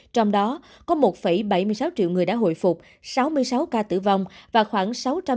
trong đó có một bảy mươi sáu triệu người đã hồi phục sáu mươi sáu ca tử vong và khoảng sáu trăm chín mươi hai